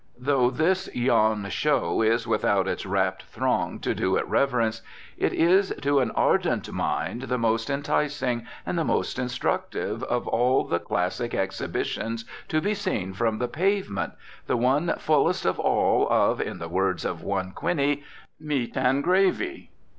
Though this, yon show, is without its rapt throng to do it reverence, it is, to an ardent mind, the most enticing, and the most instructive, of all the classic exhibitions to be seen from the pavement, the one fullest of all of (in the words of one Quinney) "meat and gravy."